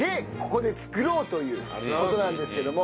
ここで作ろうという事なんですけども。